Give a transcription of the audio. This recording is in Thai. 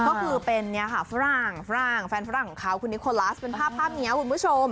ก็คือเนี่ยค่ะฟรางแฟนฟรางของเขาคุณนิกโคลาสภาพเหนียวคุณผู้ชม